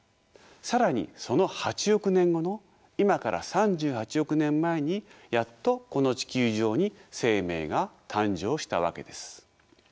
更にその８億年後の今から３８億年前にやっとこの地球上に生命が誕生したわけです。